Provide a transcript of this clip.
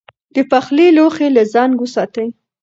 د پخلي لوښي له زنګ وساتئ.